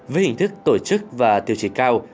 với hình thức tổ chức và tiêu chí cao